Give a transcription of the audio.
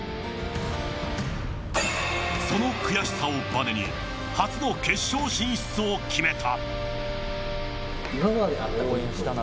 その悔しさをばねに初の決勝進出を決めた。